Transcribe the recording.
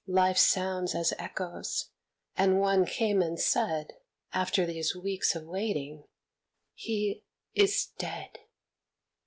Life sounds as echoes; and one came and said After these weeks of waiting: "He is dead!"